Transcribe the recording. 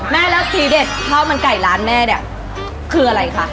แม่แล้วทีเด็ดข้าวมันไก่ร้านแม่เนี่ยคืออะไรคะ